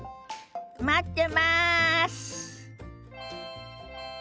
待ってます！